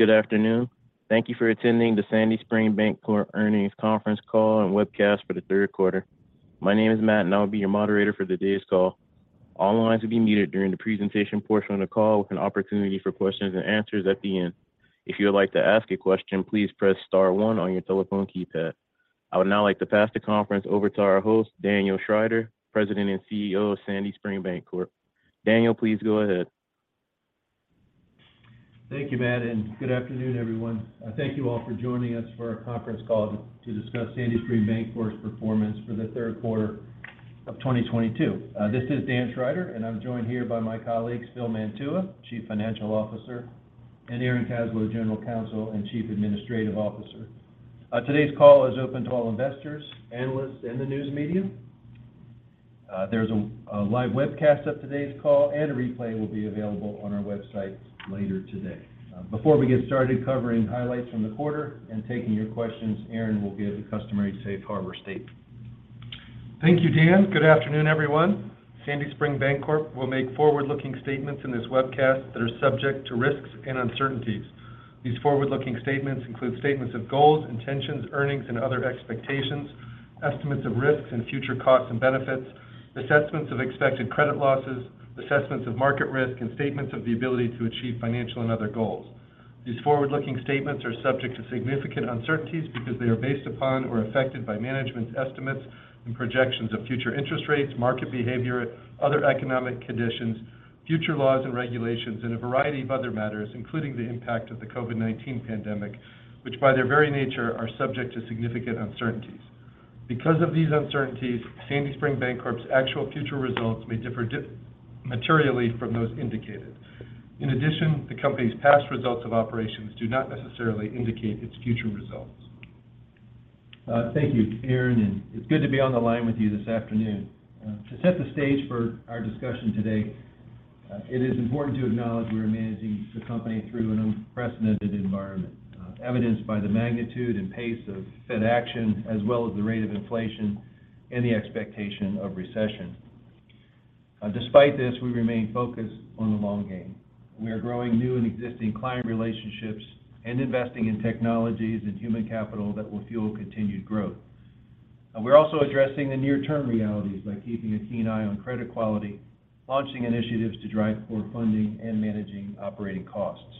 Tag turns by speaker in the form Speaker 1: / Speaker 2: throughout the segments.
Speaker 1: Good afternoon. Thank you for attending the Sandy Spring Bancorp Earnings Conference Call and Webcast for the third quarter. My name is Matt, and I'll be your moderator for today's call. All lines will be muted during the presentation portion of the call with an opportunity for questions-and-answers at the end. If you would like to ask a question, please press star one on your telephone keypad. I would now like to pass the conference over to our host, Daniel Schrider, President and CEO of Sandy Spring Bancorp. Daniel, please go ahead.
Speaker 2: Thank you, Matt, and good afternoon, everyone. Thank you all for joining us for our conference call to discuss Sandy Spring Bancorp's performance for the third quarter of 2022. This is Daniel Schrider, and I'm joined here by my colleagues, Philip Mantua, Chief Financial Officer, and Aaron Kaslow, General Counsel and Chief Administrative Officer. Today's call is open to all investors, analysts, and the news media. There's a live webcast of today's call, and a replay will be available on our website later today. Before we get started covering highlights from the quarter and taking your questions, Aaron will give the customary safe harbor statement.
Speaker 3: Thank you, Dan. Good afternoon, everyone. Sandy Spring Bancorp will make forward-looking statements in this webcast that are subject to risks and uncertainties. These forward-looking statements include statements of goals, intentions, earnings, and other expectations, estimates of risks and future costs and benefits, assessments of expected credit losses, assessments of market risk, and statements of the ability to achieve financial and other goals. These forward-looking statements are subject to significant uncertainties because they are based upon or affected by management's estimates and projections of future interest rates, market behavior, other economic conditions, future laws and regulations, and a variety of other matters, including the impact of the COVID-19 pandemic, which by their very nature are subject to significant uncertainties. Because of these uncertainties, Sandy Spring Bancorp's actual future results may differ materially from those indicated. In addition, the company's past results of operations do not necessarily indicate its future results.
Speaker 2: Thank you, Aaron, and it's good to be on the line with you this afternoon. To set the stage for our discussion today, it is important to acknowledge we are managing the company through an unprecedented environment, evidenced by the magnitude and pace of Fed action, as well as the rate of inflation and the expectation of recession. Despite this, we remain focused on the long game. We are growing new and existing client relationships and investing in technologies and human capital that will fuel continued growth. We're also addressing the near-term realities by keeping a keen eye on credit quality, launching initiatives to drive core funding, and managing operating costs.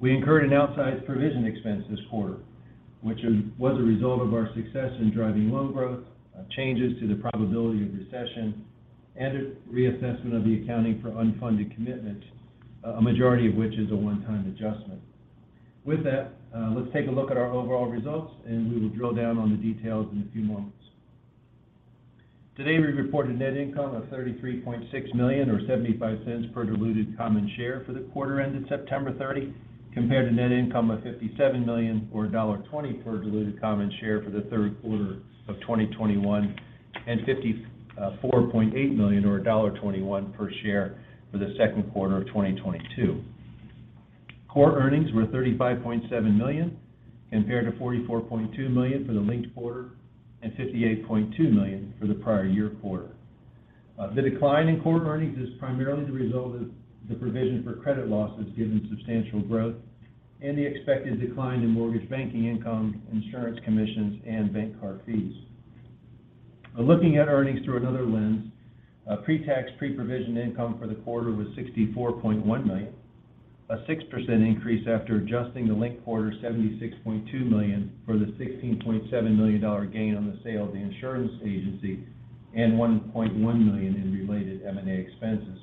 Speaker 2: We incurred an outsized provision expense this quarter, which was a result of our success in driving loan growth, changes to the probability of recession, and a reassessment of the accounting for unfunded commitments, a majority of which is a one-time adjustment. With that, let's take a look at our overall results, and we will drill down on the details in a few moments. Today, we reported net income of $33.6 million or $0.75 per diluted common share for the quarter ended September 30, compared to net income of $57 million or $1.20 per diluted common share for the third quarter of 2021 and $54.8 million or $1.21 per share for the second quarter of 2022. Core earnings were $35.7 million compared to $44.2 million for the linked-quarter and $58.2 million for the prior year quarter. The decline in core earnings is primarily the result of the provision for credit losses given substantial growth and the expected decline in mortgage banking income, insurance commissions, and bank card fees. Looking at earnings through another lens, pre-tax, pre-provision income for the quarter was $64.1 million, a 6% increase after adjusting the linked-quarter $76.2 million for the $16.7 million dollar gain on the sale of the insurance agency and $1.1 million in related M&A expenses.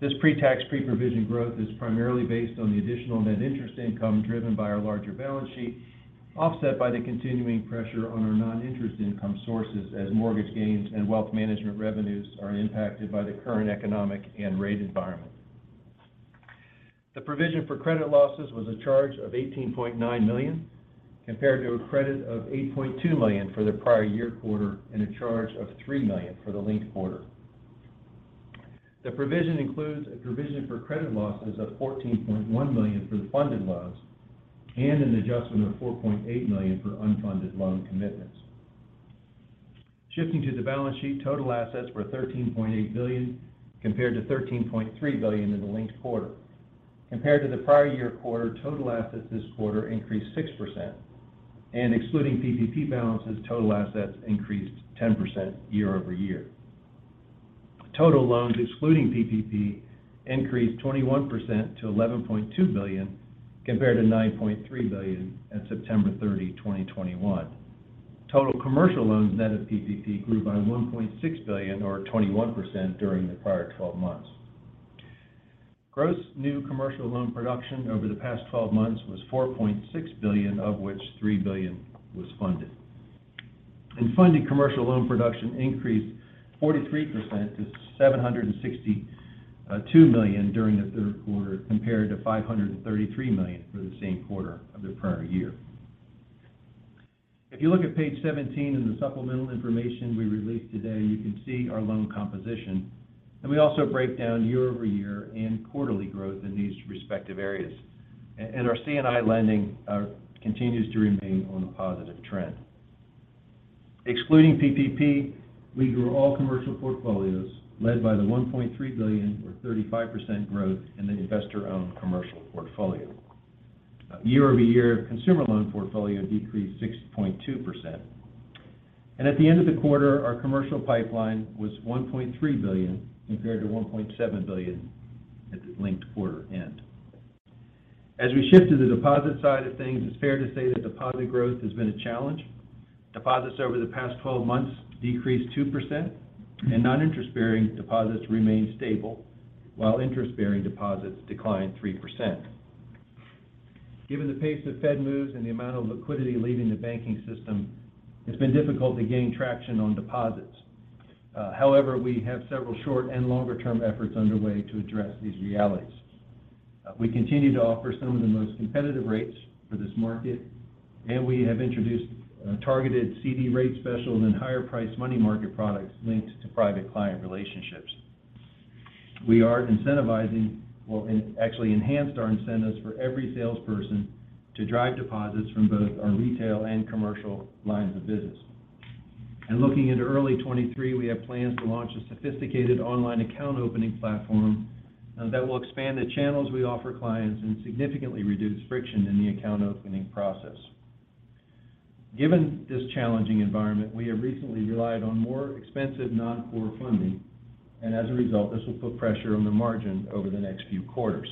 Speaker 2: This pre-tax, pre-provision growth is primarily based on the additional net interest income driven by our larger balance sheet, offset by the continuing pressure on our non-interest income sources as mortgage gains and wealth management revenues are impacted by the current economic and rate environment. The provision for credit losses was a charge of $18.9 million compared to a credit of $8.2 million for the prior year quarter and a charge of $3 million for the linked-quarter. The provision includes a provision for credit losses of $14.1 million for the funded loans and an adjustment of $4.8 million for unfunded loan commitments. Shifting to the balance sheet, total assets were $13.8 billion compared to $13.3 billion in the linked-quarter. Compared to the prior-year quarter, total assets this quarter increased 6% and excluding PPP balances, total assets increased 10% year-over-year. Total loans excluding PPP increased 21% to $11.2 billion compared to $9.3 billion at September 30, 2021. Total commercial loans net of PPP grew by $1.6 billion or 21% during the prior twelve months. Gross new commercial loan production over the past twelve months was $4.6 billion of which $3 billion was funded. Funded commercial loan production increased 43% to $762 million during the third quarter compared to $533 million for the same quarter of the prior year. If you look at page 17 in the supplemental information we released today, you can see our loan composition, and we also break down year-over-year and quarterly growth in these respective areas. Our C&I lending continues to remain on a positive trend. Excluding PPP, we grew all commercial portfolios led by the $1.3 billion or 35% growth in the investor-owned commercial portfolio. Year-over-year consumer loan portfolio decreased 6.2%. At the end of the quarter, our commercial pipeline was $1.3 billion compared to $1.7 billion at the linked-quarter end. As we shift to the deposit side of things, it's fair to say that deposit growth has been a challenge. Deposits over the past 12 months decreased 2%, and non-interest-bearing deposits remained stable, while interest-bearing deposits declined 3%. Given the pace that Fed moves and the amount of liquidity leaving the banking system, it's been difficult to gain traction on deposits. However, we have several short- and longer-term efforts underway to address these realities. We continue to offer some of the most competitive rates for this market, and we have introduced targeted CD rate specials and higher-priced money market products linked to private client relationships. We are incentivizing, well, actually enhanced our incentives for every salesperson to drive deposits from both our retail and commercial lines of business. Looking into early 2023, we have plans to launch a sophisticated online account opening platform that will expand the channels we offer clients and significantly reduce friction in the account opening process. Given this challenging environment, we have recently relied on more expensive non-core funding, and as a result, this will put pressure on the margin over the next few quarters.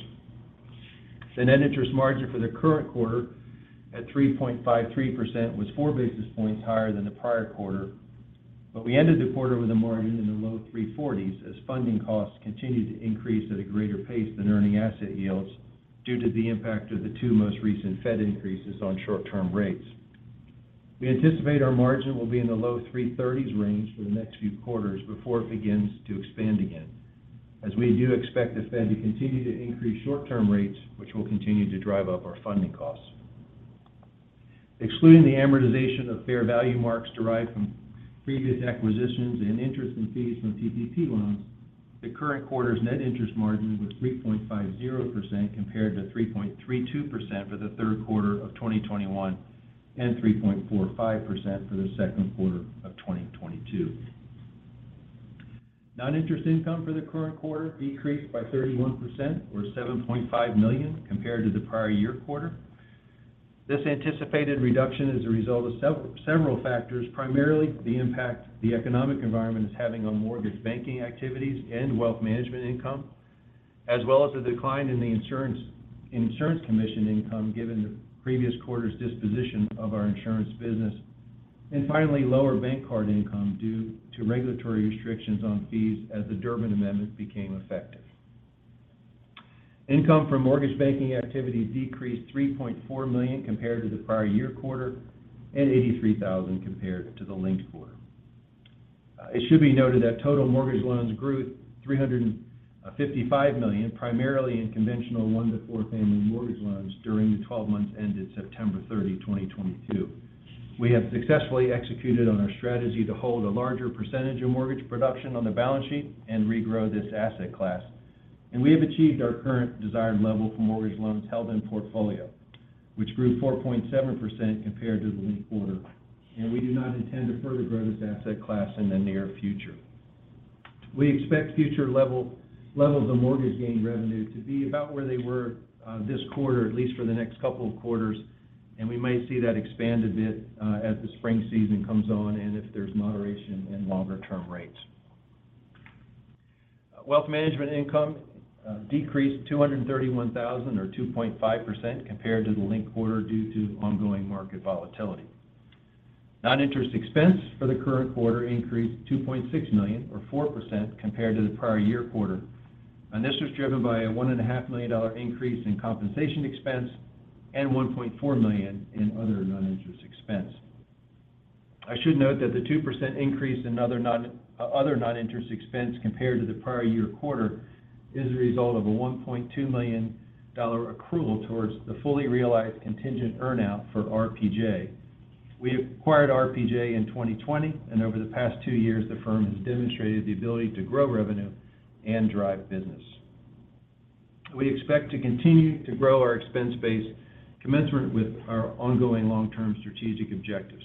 Speaker 2: The net interest margin for the current quarter at 3.53% was four basis points higher than the prior quarter, but we ended the quarter with a margin in the low 340s as funding costs continued to increase at a greater pace than earning asset yields due to the impact of the two most recent Fed increases on short-term rates. We anticipate our margin will be in the low 330s range for the next few quarters before it begins to expand again, as we do expect the Fed to continue to increase short-term rates, which will continue to drive up our funding costs. Excluding the amortization of fair value marks derived from previous acquisitions and interest and fees from PPP loans, the current quarter's net interest margin was 3.50% compared to 3.32% for the third quarter of 2021 and 3.45% for the second quarter of 2022. Non-interest income for the current quarter decreased by 31%, or $7.5 million, compared to the prior year quarter. This anticipated reduction is a result of several factors, primarily the impact the economic environment is having on mortgage banking activities and wealth management income, as well as a decline in the insurance commission income given the previous quarter's disposition of our insurance business, and finally, lower bank card income due to regulatory restrictions on fees as the Durbin Amendment became effective. Income from mortgage banking activities decreased $3.4 million compared to the prior year quarter and $83,000 compared to the linked-quarter. It should be noted that total mortgage loans grew $355 million, primarily in conventional one-to-four-family mortgage loans during the 12 months ended September 30, 2022. We have successfully executed on our strategy to hold a larger percentage of mortgage production on the balance sheet and regrow this asset class, and we have achieved our current desired level for mortgage loans held in portfolio, which grew 4.7% compared to the linked-quarter, and we do not intend to further grow this asset class in the near future. We expect future levels of mortgage gain revenue to be about where they were this quarter, at least for the next couple of quarters, and we may see that expand a bit as the spring season comes on and if there's moderation in longer-term rates. Wealth management income decreased $231,000, or 2.5%, compared to the linked-quarter due to ongoing market volatility. Non-interest expense for the current quarter increased $2.6 million, or 4%, compared to the prior year quarter, and this was driven by a $1.5 million increase in compensation expense and $1.4 million in other non-interest expense. I should note that the 2% increase in other non-interest expense compared to the prior year quarter is a result of a $1.2 million accrual towards the fully realized contingent earn-out for RPJ. We acquired RPJ in 2020, and over the past two years, the firm has demonstrated the ability to grow revenue and drive business. We expect to continue to grow our expense base commensurate with our ongoing long-term strategic objectives,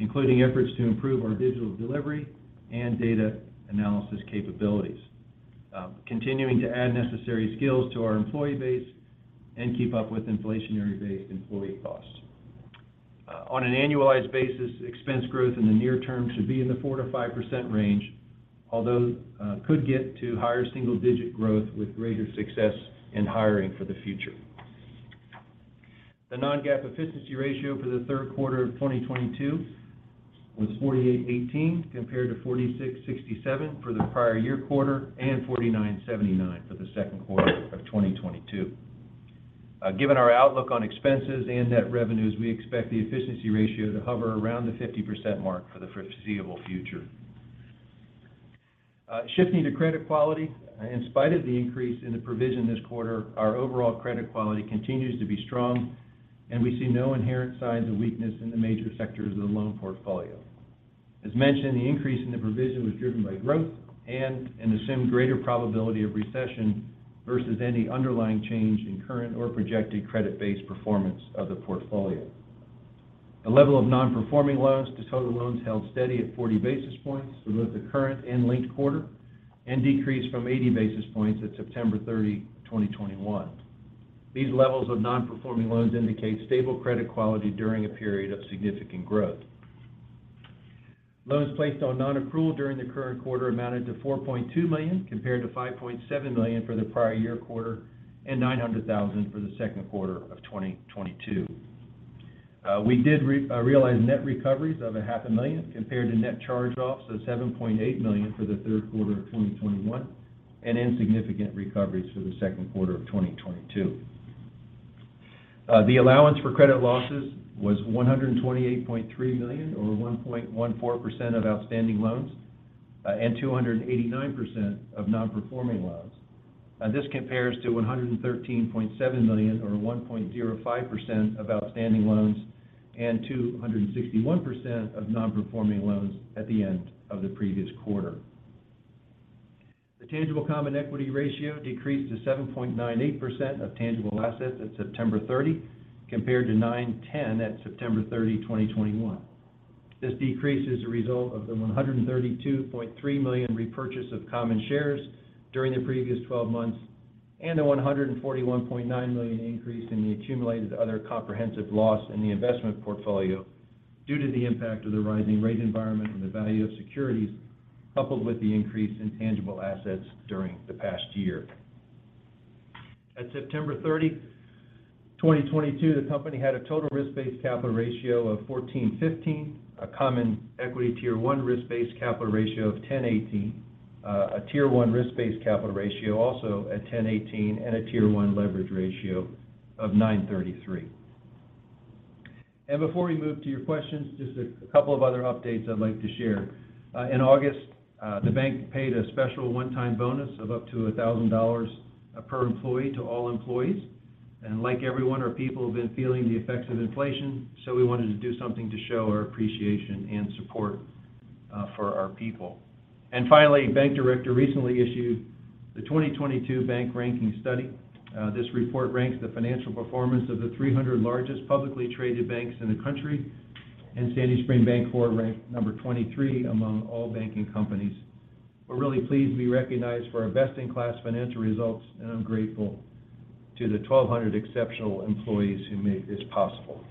Speaker 2: including efforts to improve our digital delivery and data analysis capabilities, continuing to add necessary skills to our employee base, and keep up with inflationary-based employee costs. On an annualized basis, expense growth in the near term should be in the 4%-5% range, although could get to higher single-digit growth with greater success in hiring for the future. The non-GAAP efficiency ratio for the third quarter of 2022 was 48.18 compared to 46.67 for the prior year quarter and 49.79 for the second quarter of 2022. Given our outlook on expenses and net revenues, we expect the efficiency ratio to hover around the 50% mark for the foreseeable future. Shifting to credit quality, in spite of the increase in the provision this quarter, our overall credit quality continues to be strong, and we see no inherent signs of weakness in the major sectors of the loan portfolio. As mentioned, the increase in the provision was driven by growth and an assumed greater probability of recession versus any underlying change in current or projected credit-based performance of the portfolio. The level of non-performing loans to total loans held steady at 40 basis points throughout the current and linked-quarter and decreased from 80 basis points at September 30, 2021. These levels of non-performing loans indicate stable credit quality during a period of significant growth. Loans placed on non-accrual during the current quarter amounted to $4.2 million, compared to $5.7 million for the prior year quarter and $900,000 for the second quarter of 2022. We did realize net recoveries of $0.5 million compared to net charge-offs of $7.8 million for the third quarter of 2021 and insignificant recoveries for the second quarter of 2022. The allowance for credit losses was $128.3 million, or 1.14% of outstanding loans, and 289% of non-performing loans. This compares to $113.7 million, or 1.05% of outstanding loans and 261% of non-performing loans at the end of the previous quarter. The tangible common equity ratio decreased to 7.98% of tangible assets at September 30 compared to 9.10% at September 30, 2021. This decrease is a result of the $132.3 million repurchase of common shares during the previous twelve months and the $141.9 million increase in the accumulated other comprehensive loss in the investment portfolio due to the impact of the rising rate environment on the value of securities, coupled with the increase in tangible assets during the past year. At September 30, 2022, the company had a total risk-based capital ratio of 14.15%, a common equity tier one risk-based capital ratio of 10.18%, a tier one risk-based capital ratio also at 10.18%, and a tier one leverage ratio of 9.33%. Before we move to your questions, just a couple of other updates I'd like to share. In August, the bank paid a special one-time bonus of up to $1,000 per employee to all employees. Like everyone, our people have been feeling the effects of inflation, so we wanted to do something to show our appreciation and support, for our people. Finally, Bank Director recently issued the 2022 bank ranking study. This report ranks the financial performance of the 300 largest publicly traded banks in the country, and Sandy Spring Bancorp ranked number 23 among all banking companies. We're really pleased to be recognized for our best-in-class financial results, and I'm grateful to the 1,200 exceptional employees who made this possible.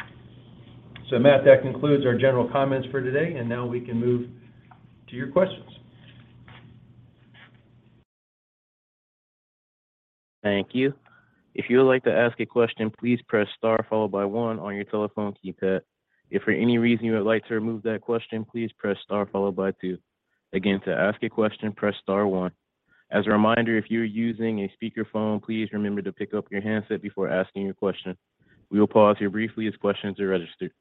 Speaker 2: Matt, that concludes our general comments for today, and now we can move to your questions.
Speaker 1: Thank you. If you would like to ask a question, please press star followed by one on your telephone keypad. If for any reason you would like to remove that question, please press star followed by two. Again, to ask a question, press star one. As a reminder, if you are using a speakerphone, please remember to pick up your handset before asking your question. We will pause here briefly as questions are registered.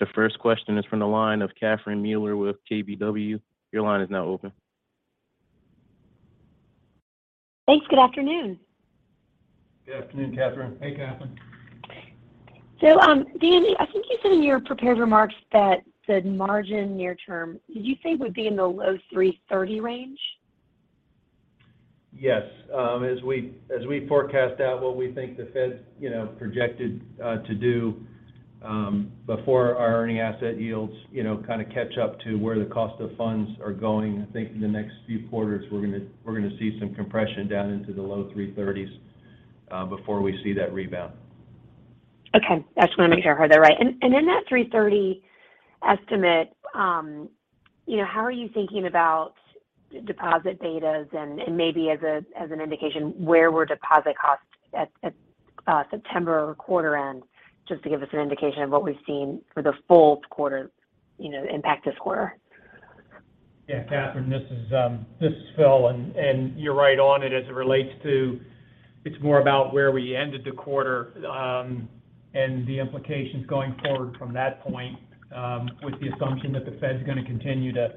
Speaker 1: The first question is from the line of Catherine Mealor with KBW. Your line is now open.
Speaker 4: Thanks. Good afternoon.
Speaker 2: Good afternoon, Catherine.
Speaker 5: Hey, Catherine.
Speaker 4: Dan, I think you said in your prepared remarks that the margin near term, did you say would be in the low 3.30% range?
Speaker 2: Yes. As we forecast out what we think the Fed, you know, projected to do before our earning asset yields, you know, kind of catch up to where the cost of funds are going, I think in the next few quarters, we're gonna see some compression down into the low 3.30% before we see that rebound.
Speaker 4: Okay. I just wanted to make sure I heard that right. In that 3.30% estimate, you know, how are you thinking about deposit betas and maybe as an indication where were deposit costs at September or quarter end, just to give us an indication of what we've seen for the full quarter, you know, the impact to spread?
Speaker 5: Yeah, Katherine, this is Phil. You're right on it as it relates to it's more about where we ended the quarter, and the implications going forward from that point, with the assumption that the Fed's gonna continue to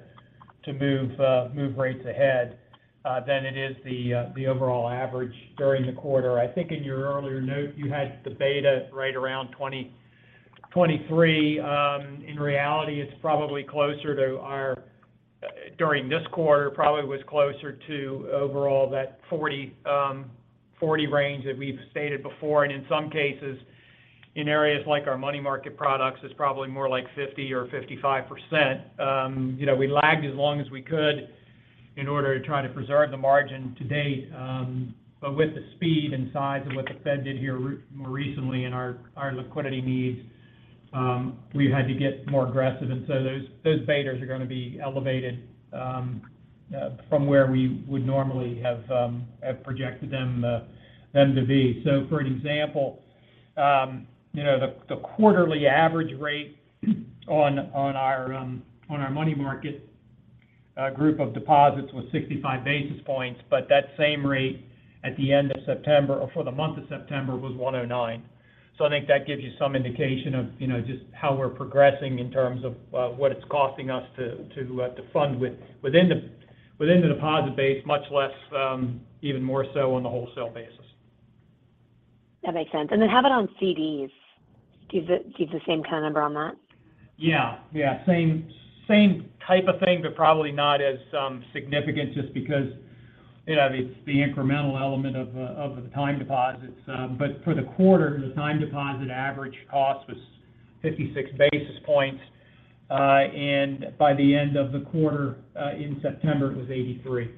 Speaker 5: move rates ahead, than it is the overall average during the quarter. I think in your earlier note, you had the beta right around 20-23. In reality, it's probably closer. During this quarter, it probably was closer to the overall 40 range that we've stated before, and in some cases, in areas like our money market products, it's probably more like 50 or 55%. You know, we lagged as long as we could in order to try to preserve the margin to date. With the speed and size of what the Fed did here more recently and our liquidity needs, we've had to get more aggressive. Those betas are gonna be elevated from where we would normally have projected them to be. For an example, you know, the quarterly average rate on our money market group of deposits was 65 basis points, but that same rate at the end of September or for the month of September was 109. I think that gives you some indication of, you know, just how we're progressing in terms of what it's costing us to fund within the deposit base, much less even more so on the wholesale basis.
Speaker 4: That makes sense. How about on CDs? Do you give the same kind of number on that?
Speaker 5: Yeah. Same type of thing, but probably not as significant just because you know it's the incremental element of the time deposits. For the quarter, the time deposit average cost was 56 basis points. By the end of the quarter, in September, it was 83.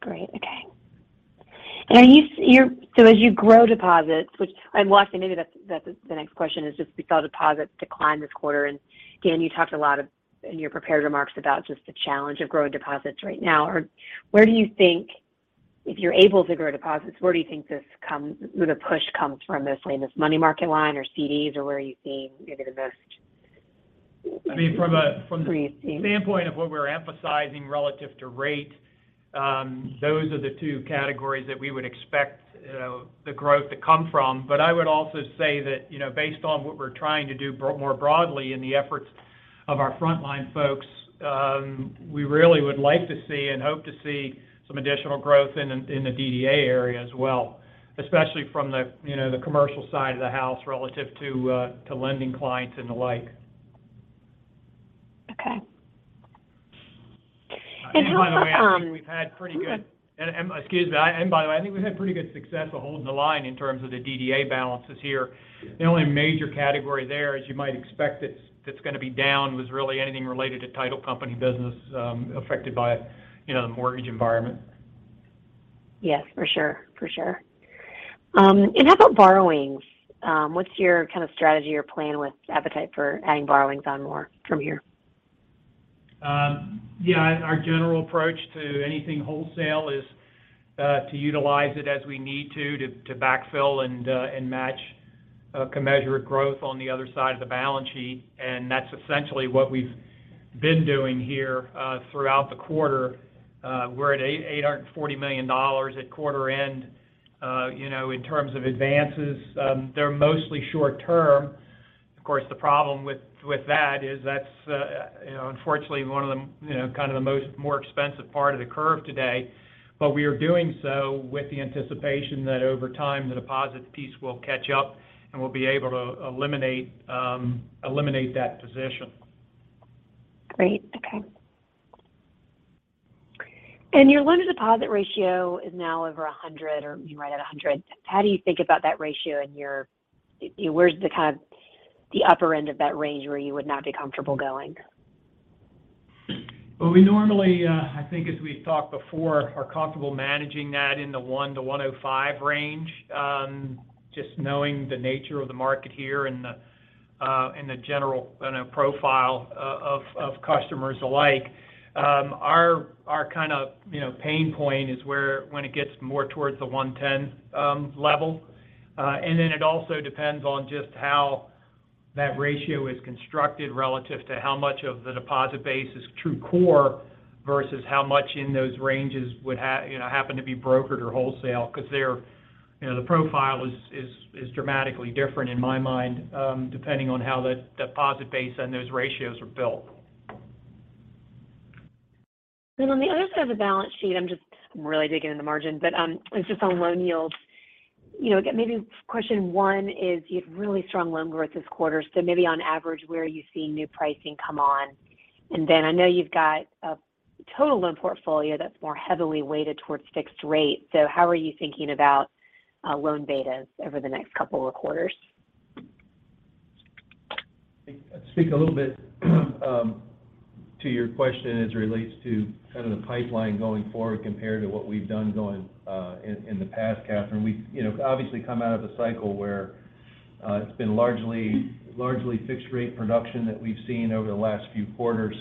Speaker 4: Great. Okay. As you grow deposits, which I'm lucky maybe that's the next question, just we saw deposits decline this quarter, and again, you talked a lot about, in your prepared remarks about just the challenge of growing deposits right now. Where do you think, if you're able to grow deposits, where the push comes from, mostly in this money market line or CDs, or where are you seeing maybe the most
Speaker 5: I mean.
Speaker 4: Increase seen?
Speaker 5: From the standpoint of what we're emphasizing relative to rate, those are the two categories that we would expect the growth to come from. I would also say that, you know, based on what we're trying to do more broadly in the efforts of our frontline folks, we really would like to see and hope to see some additional growth in the DDA area as well, especially from the, you know, the commercial side of the house relative to to lending clients and the like.
Speaker 4: Okay.
Speaker 5: By the way, I think we've had pretty good-
Speaker 4: Go ahead.
Speaker 5: Excuse me. By the way, I think we've had pretty good success of holding the line in terms of the DDA balances here. The only major category there, as you might expect that's gonna be down, was really anything related to title company business, affected by, you know, the mortgage environment.
Speaker 4: Yes, for sure. How about borrowings? What's your kind of strategy or plan with appetite for adding borrowings anymore from here?
Speaker 5: Yeah. Our general approach to anything wholesale is to utilize it as we need to backfill and match commensurate growth on the other side of the balance sheet. That's essentially what we've been doing here throughout the quarter. We're at $840 million at quarter end, you know, in terms of advances. They're mostly short term. Of course, the problem with that is that's, you know, unfortunately, one of the, you know, kind of the more expensive part of the curve today. We are doing so with the anticipation that over time, the deposits piece will catch up, and we'll be able to eliminate that position.
Speaker 4: Great. Okay. Your loan-to-deposit ratio is now over 100 or right at 100. How do you think about that ratio? Where's the kind of upper end of that range where you would not be comfortable going?
Speaker 5: Well, we normally, I think as we've talked before, are comfortable managing that in the 1-1.05 range. Just knowing the nature of the market here and the general, you know, profile of customers alike. Our kind of, you know, pain point is where when it gets more towards the 1.10 level. Then it also depends on just how that ratio is constructed relative to how much of the deposit base is true core versus how much in those ranges would, you know, happen to be brokered or wholesale because they're, you know, the profile is dramatically different in my mind, depending on how that deposit base and those ratios are built.
Speaker 4: On the other side of the balance sheet, I'm just really digging in the margin, but, it's just on loan yields. You know, again, maybe question one is you had really strong loan growth this quarter. Maybe on average, where are you seeing new pricing come on? Then I know you've got a total loan portfolio that's more heavily weighted towards fixed rate. How are you thinking about loan betas over the next couple of quarters?
Speaker 2: I think I'd speak a little bit to your question as it relates to kind of the pipeline going forward compared to what we've done in the past, Catherine. We've, you know, obviously come out of a cycle where it's been largely fixed rate production that we've seen over the last few quarters.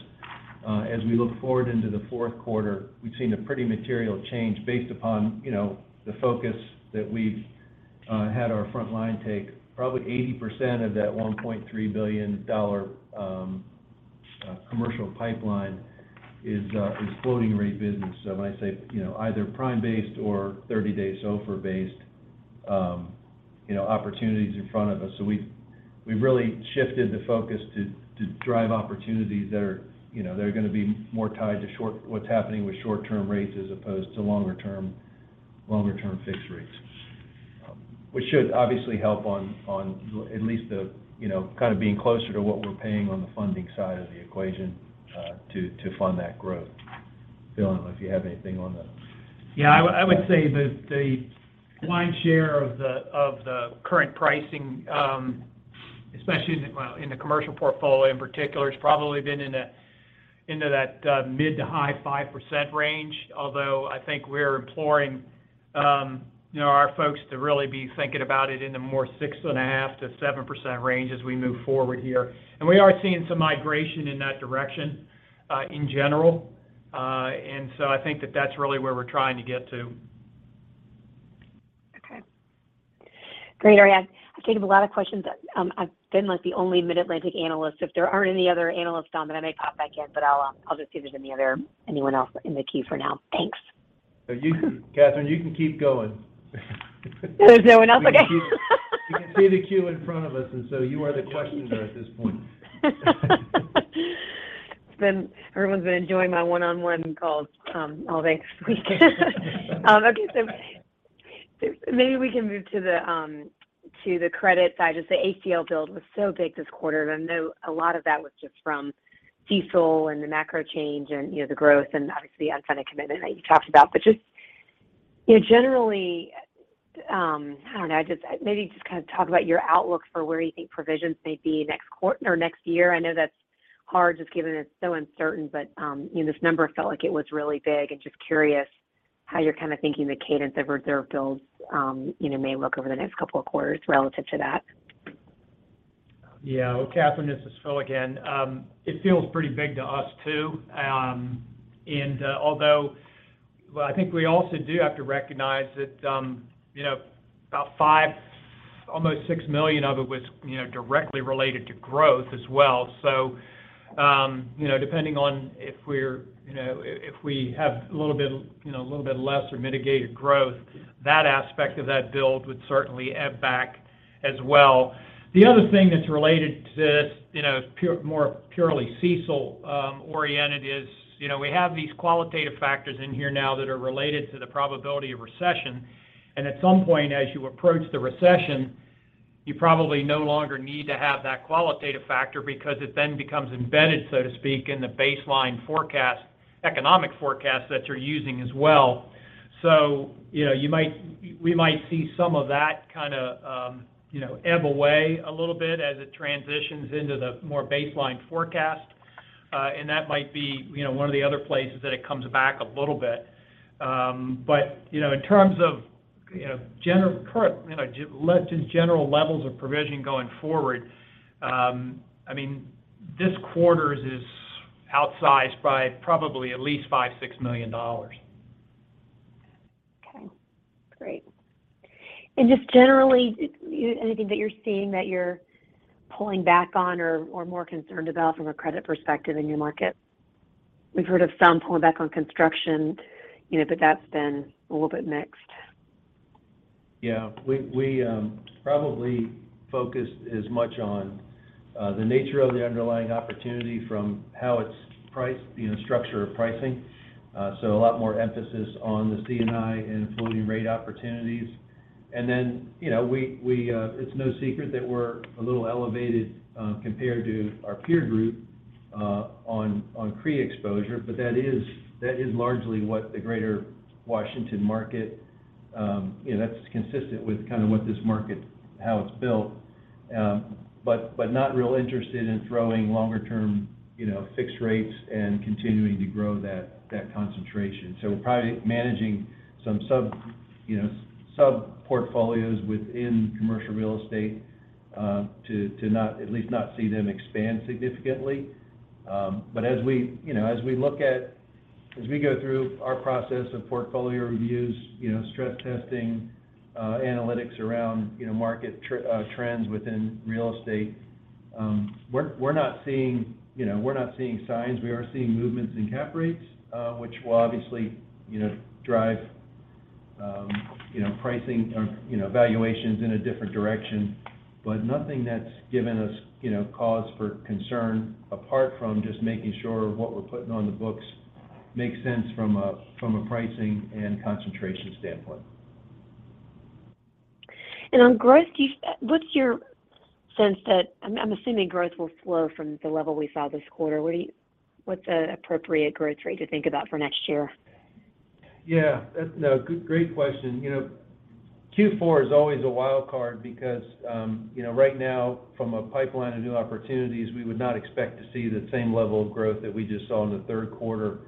Speaker 2: As we look forward into the fourth quarter, we've seen a pretty material change based upon, you know, the focus that we've had our front line take. Probably 80% of that $1.3 billion commercial pipeline is floating rate business. When I say, you know, either prime-based or thirty-day SOFR-based, you know, opportunities in front of us. We've really shifted the focus to drive opportunities that are, you know, gonna be more tied to what's happening with short-term rates as opposed to longer-term fixed rates, which should obviously help on at least, you know, kind of being closer to what we're paying on the funding side of the equation to fund that growth. Phil, I don't know if you have anything on that.
Speaker 5: Yeah. I would say that the lion's share of the current pricing, especially in the, well, in the commercial portfolio in particular, has probably been into that mid- to high-5% range. Although, I think we're imploring, you know, our folks to really be thinking about it in the more 6.5%-7% range as we move forward here. We are seeing some migration in that direction, in general. I think that that's really where we're trying to get to.
Speaker 4: Okay. Great. All right. I think I have a lot of questions. I've been, like, the only Mid-Atlantic analyst. If there are any other analysts on, then I may pop back in, but I'll just see if there's anyone else in the queue for now. Thanks.
Speaker 2: You, Catherine, you can keep going.
Speaker 4: There's no one else? Okay.
Speaker 2: We can see the queue in front of us, and so you are the questioner at this point.
Speaker 4: Everyone's been enjoying my one-on-one calls, all day this week. Okay. Maybe we can move to the credit side. Just the ACL build was so big this quarter, and I know a lot of that was just from CECL and the macro change and, you know, the growth and obviously the unfunded commitment that you talked about. Just, you know, generally, I don't know, just maybe kind of talk about your outlook for where you think provisions may be next quarter or next year. I know that's hard just given it's so uncertain, but, you know, this number felt like it was really big. Just curious how you're kind of thinking the cadence of reserve builds, you know, may look over the next couple of quarters relative to that.
Speaker 5: Yeah. Well, Catherine, this is Phil again. It feels pretty big to us too. Well, I think we also do have to recognize that, you know, about $5 million, almost $6 million of it was, you know, directly related to growth as well. You know, depending on if we're, you know, if we have a little bit, you know, a little bit less or mitigated growth, that aspect of that build would certainly ebb back as well. The other thing that's related to this, you know, more purely CECL oriented is, you know, we have these qualitative factors in here now that are related to the probability of recession. At some point, as you approach the recession, you probably no longer need to have that qualitative factor because it then becomes embedded, so to speak, in the baseline forecast, economic forecast that you're using as well. You know, we might see some of that kind of, you know, ebb away a little bit as it transitions into the more baseline forecast. That might be, you know, one of the other places that it comes back a little bit. You know, in terms of, you know, just general levels of provision going forward, I mean, this quarter's is outsized by probably at least $5-$6 million.
Speaker 4: Okay, great. Just generally, anything that you're seeing that you're pulling back on or more concerned about from a credit perspective in your markets? We've heard of some pulling back on construction, you know, but that's been a little bit mixed.
Speaker 2: Yeah. We probably focused as much on the nature of the underlying opportunity from how it's priced, you know, structure of pricing. A lot more emphasis on the C&I and floating rate opportunities. You know, it's no secret that we're a little elevated compared to our peer group on CRE exposure, but that is largely what the greater Washington market. You know, that's consistent with kind of what this market, how it's built. But not real interested in throwing longer term, you know, fixed rates and continuing to grow that concentration. We're probably managing some sub-portfolios within commercial real estate to not, at least not see them expand significantly. As we go through our process of portfolio reviews, you know, stress testing, analytics around, you know, market trends within real estate, we're not seeing signs. We are seeing movements in cap rates, which will obviously, you know, drive, you know, pricing or, you know, valuations in a different direction. Nothing that's given us, you know, cause for concern, apart from just making sure what we're putting on the books makes sense from a, from a pricing and concentration standpoint.
Speaker 4: On growth, I'm assuming growth will slow from the level we saw this quarter. What's an appropriate growth rate to think about for next year?
Speaker 2: Yeah. Good, great question. You know, Q4 is always a wild card because, you know, right now from a pipeline of new opportunities, we would not expect to see the same level of growth that we just saw in the third quarter.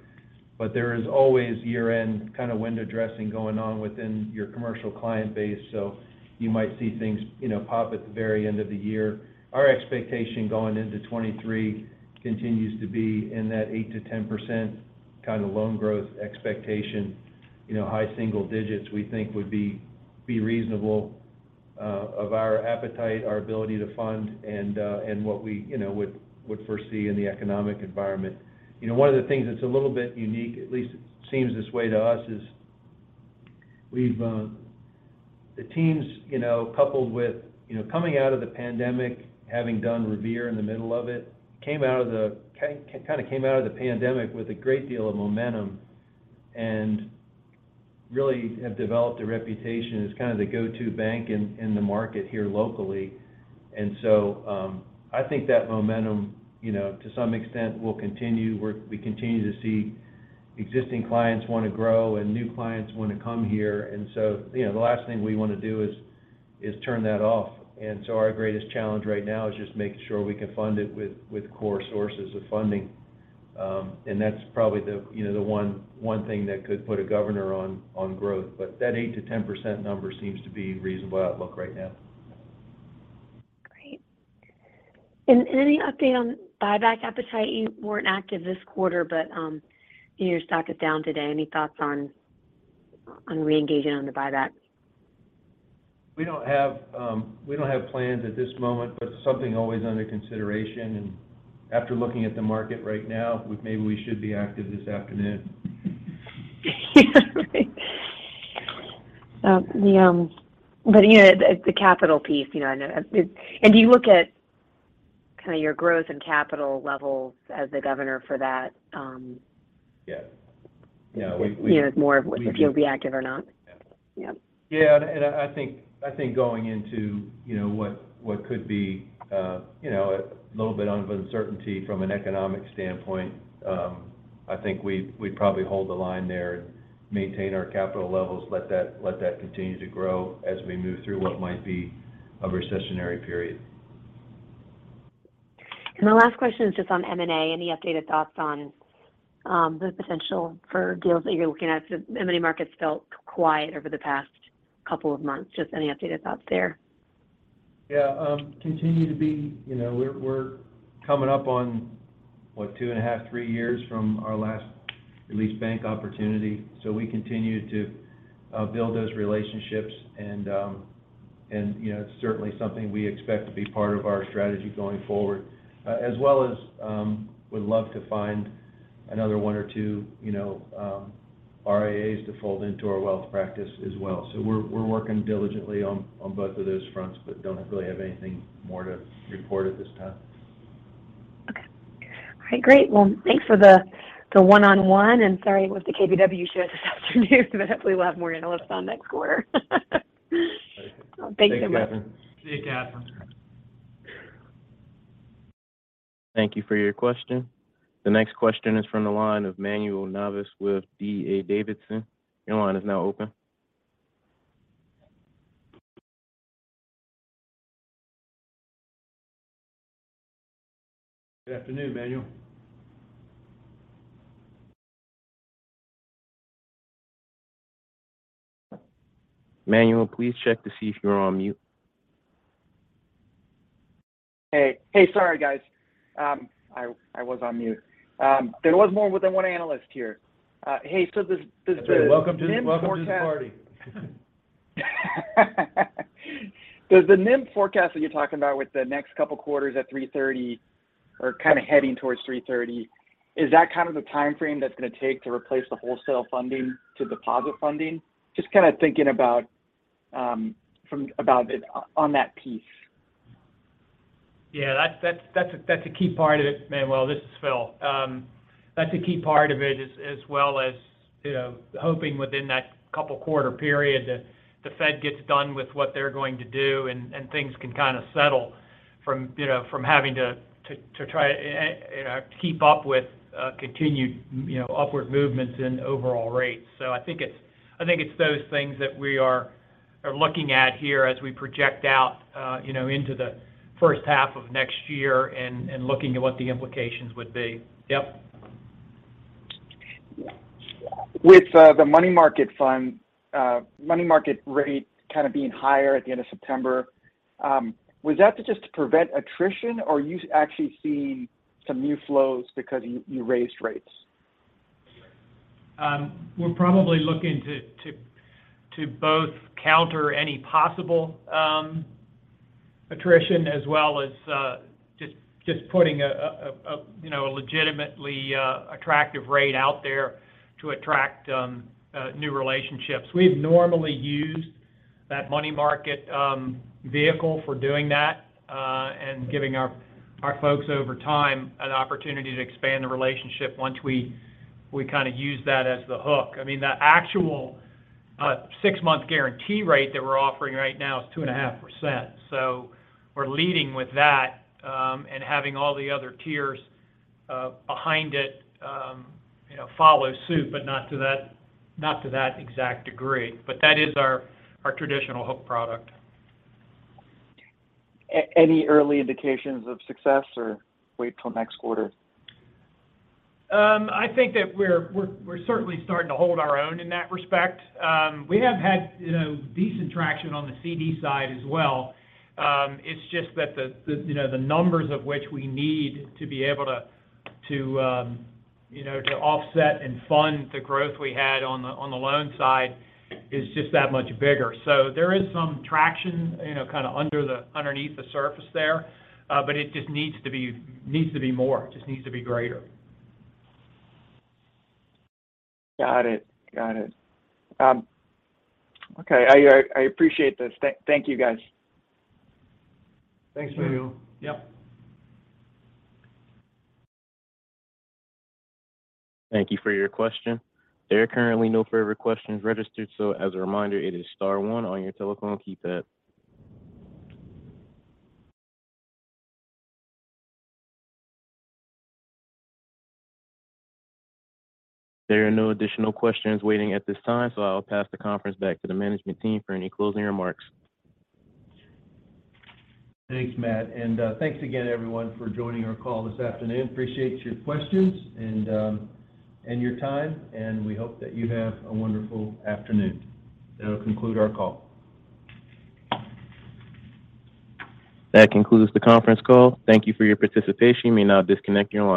Speaker 2: There is always year-end kind of window dressing going on within your commercial client base, so you might see things, you know, pop at the very end of the year. Our expectation going into 2023 continues to be in that 8%-10% kind of loan growth expectation. You know, high single digits we think would be reasonable of our appetite, our ability to fund and what we, you know, would foresee in the economic environment. You know, one of the things that's a little bit unique, at least it seems this way to us, is we've. The teams, you know, coupled with, you know, coming out of the pandemic, having done Revere in the middle of it, kind of came out of the pandemic with a great deal of momentum and really have developed a reputation as kind of the go-to bank in the market here locally. I think that momentum, you know, to some extent, will continue. We continue to see existing clients wanna grow and new clients wanna come here. The last thing we wanna do is turn that off. Our greatest challenge right now is just making sure we can fund it with core sources of funding. That's probably the, you know, the one thing that could put a governor on growth. That 8%-10% number seems to be reasonable outlook right now.
Speaker 4: Great. Any update on buyback appetite? You weren't active this quarter, but, you know, your stock is down today. Any thoughts on reengaging on the buyback?
Speaker 2: We don't have plans at this moment, but something always under consideration. After looking at the market right now, maybe we should be active this afternoon.
Speaker 4: You know, the capital piece, you know, I know. Do you look at kind of your growth and capital levels as the governor for that?
Speaker 2: Yes. You know, we
Speaker 4: You know, it's more of if you'll be active or not.
Speaker 2: Yeah.
Speaker 4: Yep.
Speaker 2: Yeah. I think going into, you know, what could be, you know, a little bit of uncertainty from an economic standpoint, I think we'd probably hold the line there and maintain our capital levels, let that continue to grow as we move through what might be a recessionary period.
Speaker 4: My last question is just on M&A. Any updated thoughts on the potential for deals that you're looking at? M&A markets felt quiet over the past couple of months. Just any updated thoughts there?
Speaker 2: Yeah. Continue to be. You know, we're coming up on, what? 2.5 to three years from our last released bank opportunity. We continue to build those relationships and, you know, it's certainly something we expect to be part of our strategy going forward. As well as, we'd love to find another one or two, you know, RIAs to fold into our wealth practice as well. We're working diligently on both of those fronts, but don't really have anything more to report at this time.
Speaker 4: Okay. All right. Great. Well, thanks for the one-on-one, and sorry it was the KBW show this afternoon. Hopefully we'll have more analysts on next quarter.
Speaker 2: Thank you.
Speaker 4: Thank you so much.
Speaker 2: Thanks, Catherine.
Speaker 5: See you, Catherine.
Speaker 1: Thank you for your question. The next question is from the line of Manuel Navas with D.A. Davidson. Your line is now open.
Speaker 2: Good afternoon, Manuel.
Speaker 1: Manuel, please check to see if you're on mute.
Speaker 6: Hey. Hey. Sorry, guys. I was on mute. There was more than one analyst here. Hey, this, the NIM forecast.
Speaker 2: Welcome to the party.
Speaker 6: Does the NIM forecast that you're talking about with the next couple quarters at 3.30%, or kind of heading towards 3.30%, is that kind of the timeframe that it's gonna take to replace the wholesale funding to deposit funding? Just kind of thinking about it on that piece.
Speaker 5: Yeah. That's a key part of it, Manuel. This is Phil. That's a key part of it as well as, you know, hoping within that couple quarter period that the Fed gets done with what they're going to do and things can kind of settle from, you know, from having to try, you know, to keep up with continued, you know, upward movements in overall rates. So I think it's those things that we are looking at here as we project out, you know, into the first half of next year and looking at what the implications would be. Yep.
Speaker 6: With the money market fund money market rate kind of being higher at the end of September, was that to just prevent attrition or are you actually seeing some new flows because you raised rates?
Speaker 5: We're probably looking to both counter any possible attrition as well as just putting a you know a legitimately attractive rate out there to attract new relationships. We've normally used that money market vehicle for doing that and giving our folks over time an opportunity to expand the relationship once we kind of use that as the hook. I mean, the actual six-month guarantee rate that we're offering right now is 2.5%. We're leading with that and having all the other tiers behind it you know follow suit, but not to that exact degree. That is our traditional hook product.
Speaker 6: Any early indications of success or wait till next quarter?
Speaker 5: I think that we're certainly starting to hold our own in that respect. We have had, you know, decent traction on the CD side as well. It's just that, you know, the numbers of which we need to be able to, you know, to offset and fund the growth we had on the loan side is just that much bigger. There is some traction, you know, kind of underneath the surface there, but it just needs to be more, just needs to be greater.
Speaker 6: Got it. Okay. I appreciate this. Thank you, guys.
Speaker 2: Thanks, Manuel.
Speaker 5: Yep.
Speaker 1: Thank you for your question. There are currently no further questions registered, so as a reminder, it is star one on your telephone keypad. There are no additional questions waiting at this time, so I'll pass the conference back to the management team for any closing remarks.
Speaker 2: Thanks, Matt. Thanks again everyone for joining our call this afternoon. Appreciate your questions and your time, and we hope that you have a wonderful afternoon. That'll conclude our call.
Speaker 1: That concludes the conference call. Thank you for your participation. You may now disconnect your line.